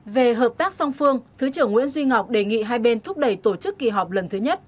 về hợp tác song phương thứ trưởng nguyễn duy ngọc đề nghị hai bên thúc đẩy tổ chức kỳ họp lần thứ nhất